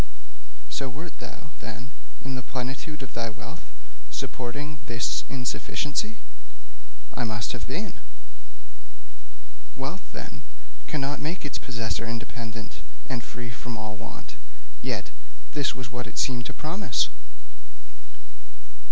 'So wert thou, then, in the plenitude of thy wealth, supporting this insufficiency?' 'I must have been.' 'Wealth, then, cannot make its possessor independent and free from all want, yet this was what it seemed to promise.